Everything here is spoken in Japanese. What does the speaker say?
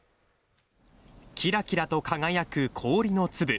キラキラと輝く氷の粒。